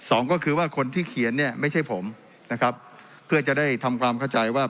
สองก็คือว่าคนที่เขียนเนี่ยไม่ใช่ผมนะครับเพื่อจะได้ทำความเข้าใจว่า